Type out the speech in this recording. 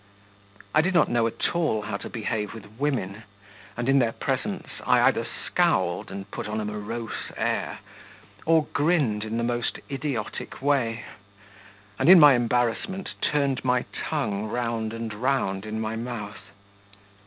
I did not know at all how to behave with women, and in their presence I either scowled and put on a morose air, or grinned in the most idiotic way, and in my embarrassment turned my tongue round and round in my mouth.